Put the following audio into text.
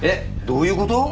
どういうこと？